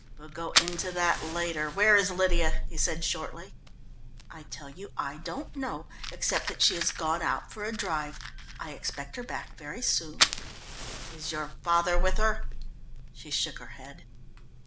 "We'll go into that later. Where is Lydia?" he said shortly. "I tell you I don't know, except that she has gone out for a drive. I expect her back very soon." "Is your father with her?" She shook her head.